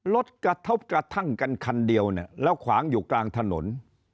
กระทบกระทั่งกันคันเดียวเนี่ยแล้วขวางอยู่กลางถนน